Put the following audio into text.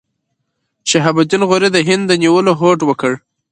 شهاب الدین غوري د هند د نیولو هوډ وکړ.